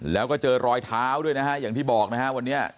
แล้วก็เจอรอยเท้าด้วยนะฮะอย่างที่บอกนะฮะวันนี้